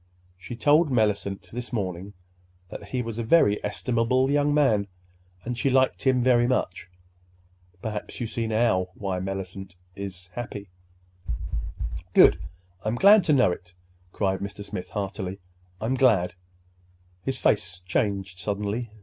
She told Mellicent this morning that he was a very estimable young man, and she liked him very much. Perhaps you see now why Mellicent is—happy." "Good! I'm glad to know it," cried Mr. Smith heartily. "I'm glad—" His face changed suddenly.